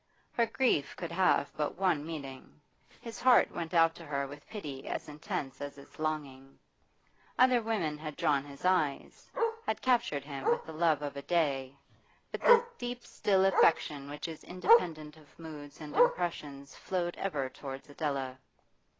Her grief could have but one meaning; his heart went out to her with pity as intense as its longing. Other women had drawn his eyes, had captured him with the love of a day; but the deep still affection which is independent of moods and impressions flowed ever towards Adela.